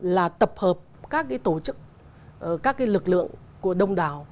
là tập hợp các cái tổ chức các cái lực lượng của đông đảo